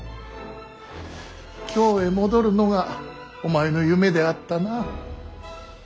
京へ戻るのがお前の夢であったな。